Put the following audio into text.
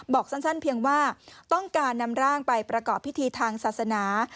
บอกสั้นเพียงว่าต้องการนำร่างไปประกอบพิธีทางศาสนา